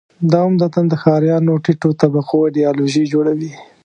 دا عمدتاً د ښاریانو ټیټو طبقو ایدیالوژي جوړوي.